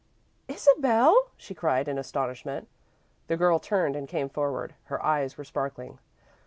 "Isabel!" she cried, in astonishment. The girl turned and came forward. Her eyes were sparkling.